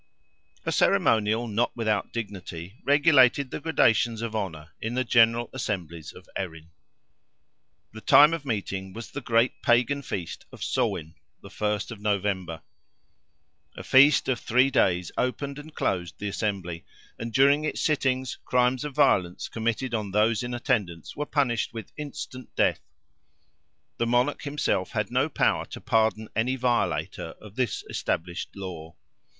A ceremonial, not without dignity, regulated the gradations of honour, in the General Assemblies of Erin. The time of meeting was the great Pagan Feast of Samhain, the 1st of November. A feast of three days opened and closed the Assembly, and during its sittings, crimes of violence committed on those in attendance were punished with instant death. The monarch himself had no power to pardon any violator of this established law.